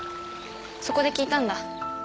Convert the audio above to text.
そこで聞いたんだ。